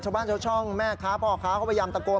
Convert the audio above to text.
ชาวบ้านชาวช่องแม่ค้าพ่อค้าเขาพยายามตะโกน